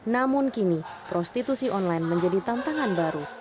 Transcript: namun kini prostitusi online menjadi tantangan baru